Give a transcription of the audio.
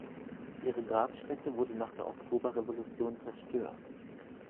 Ihre Grabstätte wurde nach der Oktoberrevolution zerstört.